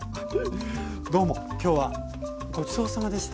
どうも今日はごちそうさまでした。